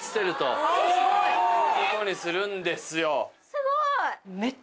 すごい！